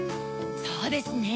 そうですね。